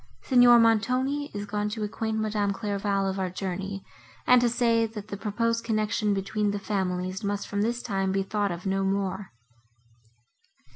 Signor Montoni is gone to acquaint Madame Clairval of our journey, and to say, that the proposed connection between the families must from this time be thought of no more."